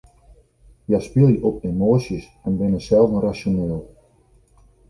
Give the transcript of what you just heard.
Hja spylje op emoasjes en binne selden rasjoneel.